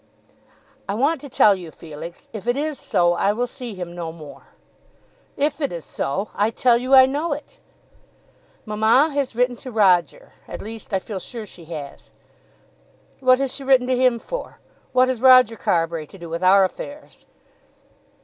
"I want to tell you, Felix. If it is so, I will see him no more." "If it is so! I tell you I know it." "Mamma has written to Roger. At least I feel sure she has." "What has she written to him for? What has Roger Carbury to do with our affairs?"